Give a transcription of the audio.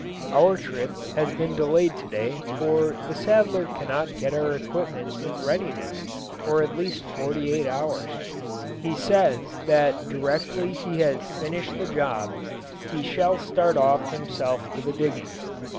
Our trip has been delayed to day, for the saddler cannot get our equipments in readiness for at least forty eight hours. He says that directly he has finished the job he shall start off himself to the diggings.